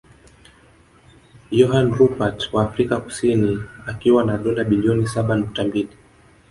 Johann Rupert wa Afrika Kusini akiwa na dola bilioni saba nukta mbili